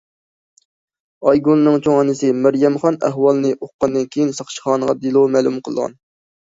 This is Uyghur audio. ئايگۈلنىڭ چوڭ ئانىسى مەريەمخان ئەھۋالنى ئۇققاندىن كېيىن ساقچىخانىغا دېلو مەلۇم قىلغان.